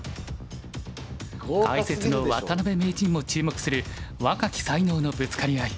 解説の渡辺名人も注目する若き才能のぶつかり合い。